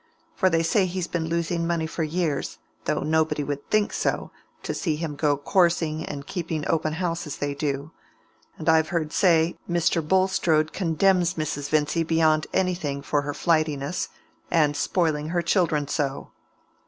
For they say he's been losing money for years, though nobody would think so, to see him go coursing and keeping open house as they do. And I've heard say Mr. Bulstrode condemns Mrs. Vincy beyond anything for her flightiness, and spoiling her children so."